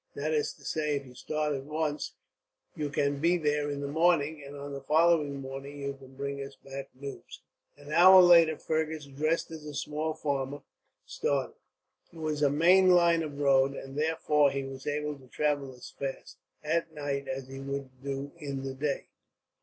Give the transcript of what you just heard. That is to say, if you start at once you can be there in the morning; and on the following morning you can bring us back news." An hour later Fergus, dressed as a small farmer, started. It was a main line of road, and therefore he was able to travel as fast, at night, as he would do in the day.